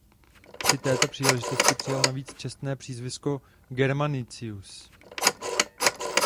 Při této příležitosti přijal navíc čestné přízvisko "Germanicus".